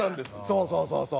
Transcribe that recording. そうそうそうそう。